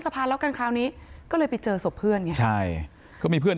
สะพานแล้วกันคราวนี้ก็เลยไปเจอศพเพื่อนไงใช่เขามีเพื่อน